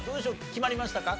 決まりましたか？